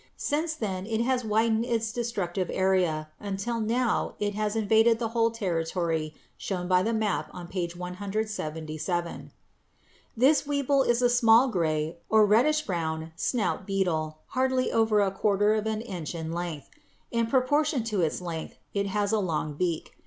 Since then it has widened its destructive area until now it has invaded the whole territory shown by the map on page 177. [Illustration: FIG. 172. ADULT COTTON BOLL WEEVIL Enlarged] This weevil is a small gray or reddish brown snout beetle hardly over a quarter of an inch in length. In proportion to its length it has a long beak.